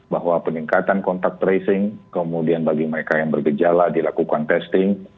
bahwa peningkatan kontak tracing kemudian bagi mereka yang bergejala dilakukan testing